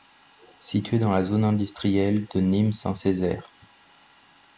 Situé dans la zone industrielle de Nîmes Saint-Césaire.